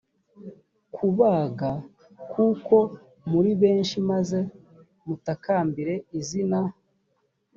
kubaga kuko muri benshi maze mutakambire izina